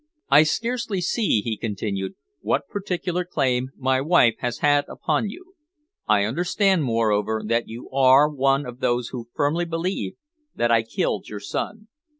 "I scarcely see," he continued, "what particular claim my wife has had upon you. I understand, moreover, that you are one of those who firmly believe that I killed your son.